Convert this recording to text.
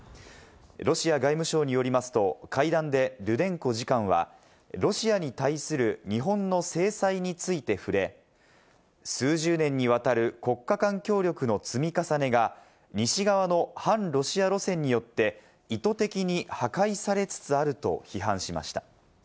ロシア外務省によりますと、会談でルデンコ次官はロシアに対する日本の制裁について触れ、数十年にわたる国家間協力の積み重ねが、西側の反ロシア路線によって意図的に破壊されつつあると批判しました。